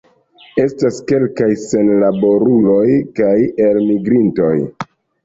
Estas kelkaj senlaboruloj kaj elmigrintoj.